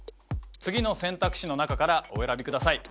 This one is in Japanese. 次の選択肢の中からお選びください